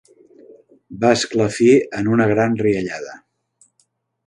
Va esclafir en una gran riallada.